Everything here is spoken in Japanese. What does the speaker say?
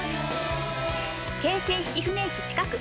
京成曳舟駅近く。